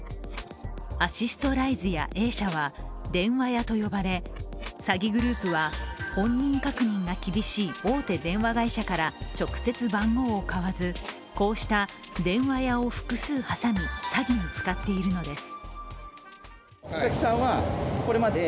アシストライズやＡ社は電話屋と呼ばれ、詐欺グループは本人確認が厳しい大手電話会社から、直接番号を買わずこうした電話屋を複数挟み詐欺に使っているのです。